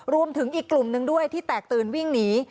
รวมถึงอีกกลุ่มหนึ่งด้วยที่แตกตื่นวิ่งหนี